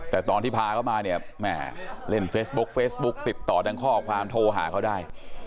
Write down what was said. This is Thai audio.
แต่ตอนที่พาเขามาเนี่ยแม่เล่นเฟซบุ๊กเฟซบุ๊กติดต่อดังข้อความโทรหาเขาได้